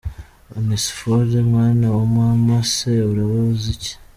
Onesphore mwana wa mama se urabaza iki.